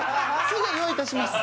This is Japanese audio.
すぐ用意いたします